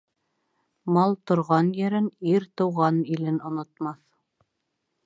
Мал торған ерен, ир тыуған илен онотмаҫ.